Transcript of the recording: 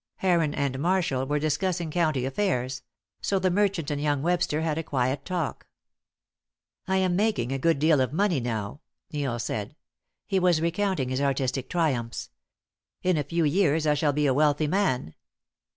Heron and Marshall were discussing county affairs; so the merchant and young Webster had a quiet talk. "I am making a good deal of money now," Neil said. He was recounting his artistic triumphs. "In a few years I shall be a wealthy man."